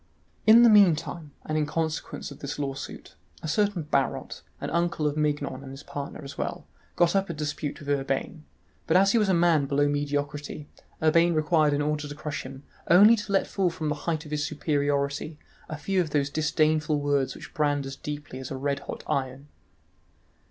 In the meantime, and in consequence of this lawsuit, a certain Barot, an uncle of Mignon and his partner as well, got up a dispute with Urbain, but as he was a man below mediocrity, Urbain required in order to crush him only to let fall from the height of his superiority a few of those disdainful words which brand as deeply as a red hot iron.